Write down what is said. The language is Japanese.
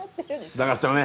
つながってるね。